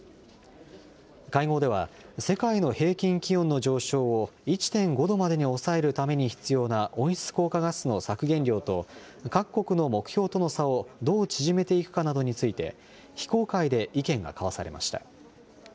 会合では、世界の平均気温の上昇を１．５度までに抑えるために必要な温室効果ガスの削減量と、各国の目標との差をどう縮めていくかなどについて、非公開で意見が交わされました。